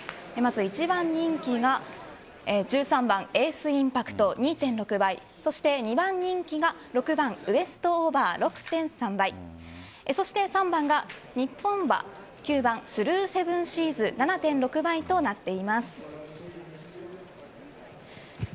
一番人気が１３番エースインパクト、２．６倍２番人気が６番・ウエストオーバー６．３倍３番が日本馬９番・スルーセブンシーズ７．６倍となっています。